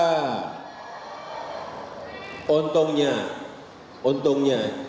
nah untungnya untungnya